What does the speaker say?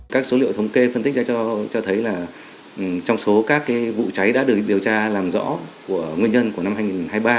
các số liệu thống kê phân tích cho thấy là trong số các vụ cháy đã được điều tra làm rõ của nguyên nhân của năm hai nghìn hai mươi ba